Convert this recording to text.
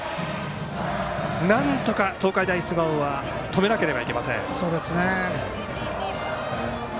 なんとか、東海大菅生は止めなければいけません。